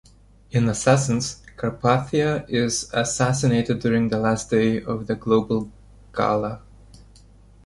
In "Assassins", Carpathia is assassinated during the last day of the Global Gala.